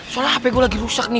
soalnya hp gue lagi rusak nih